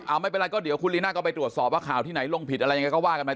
เอาไม่เป็นไรก็เดี๋ยวคุณลีน่าก็ไปตรวจสอบว่าข่าวที่ไหนลงผิดอะไรยังไงก็ว่ากันไป